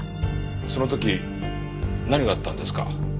その時何があったんですか？